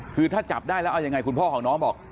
คือถ้าจับได้แล้วเอายังไงคุณพ่อของน้องบอก